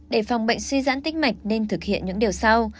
để phòng bệnh suy giãn tích mạch nên thực hiện những điều sau